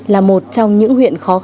là một trong những huyện khó khăn